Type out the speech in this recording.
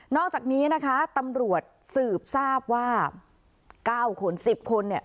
อกจากนี้นะคะตำรวจสืบทราบว่า๙คน๑๐คนเนี่ย